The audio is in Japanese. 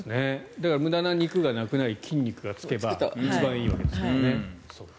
無駄な肉がなくなって筋肉がつけば一番いいわけですからね。